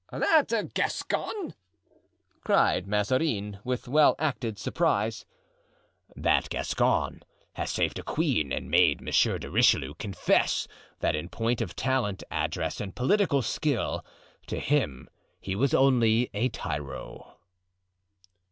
"That Gascon!" cried Mazarin, with well acted surprise. "'That Gascon' has saved a queen and made Monsieur de Richelieu confess that in point of talent, address and political skill, to him he was only a tyro."